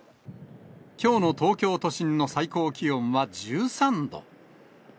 きょうの東京都心の最高気温は１３度。